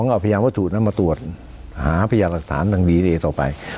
เอาพยานวัตถุนั้นมาตรวจหาพยานหลักฐานทางดีเอต่อไป